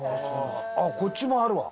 あっこっちもあるわ。